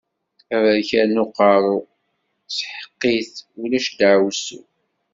Aberkan n uqeṛṛu, sḥeq-it, ulac daɛwessu.